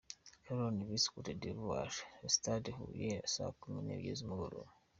Cameroun vs Cote d’Ivoire, Stade Huye saa kumi n’ebyiri z’umugoroba.